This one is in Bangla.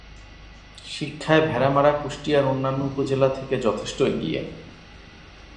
শিক্ষায় ভেড়ামারা কুষ্টিয়ার অন্যান্য উপজেলা থেকে যথেষ্ট এগিয়ে।